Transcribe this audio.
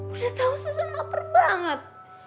udah tahu susah lapar banget